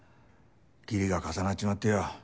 義理が重なっちまってよ。